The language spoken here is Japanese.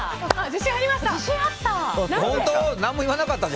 自信ありました。